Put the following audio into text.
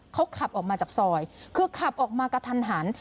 เขาขับออกมาจากซอยคือขับออกมากระทันหัน